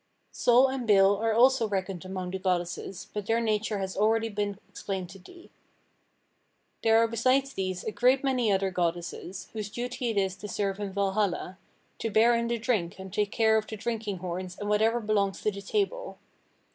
"Sol and Bil are also reckoned among the goddesses, but their nature has already been explained to thee. 37. "There are besides these a great many other goddesses, whose duty it is to serve in Valhalla; to bear in the drink and take care of the drinking horns and whatever belongs to the table.